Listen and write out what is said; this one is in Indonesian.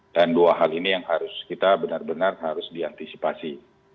dan dua hal ini yang harus kita benar benar harus diantisipasi